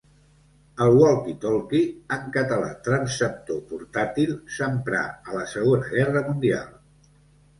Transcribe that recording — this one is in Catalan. El walkie-talkie, en català "transceptor portàtil", s'emprà a la Segona Guerra Mundial.